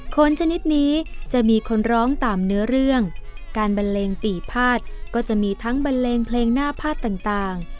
คนชนิดนี้จะมีคนร้องตามเนื้อเรื่องการบันเลงปี่พาดก็จะมีทั้งบันเลงเพลงหน้าพาดต่าง